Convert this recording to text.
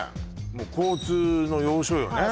もう交通の要所よね？